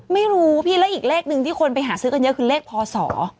ไม่รู้พี่แล้วอีกเลขหนึ่งที่คนไปหาซื้อกันเยอะคือเลขพศ